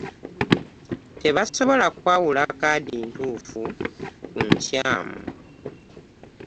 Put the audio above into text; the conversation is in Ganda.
Tebasobola kwawula kkaadi ntuufu ku nkyamu.